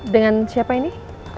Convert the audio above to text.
dengan siapa ini